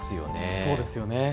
そうですよね。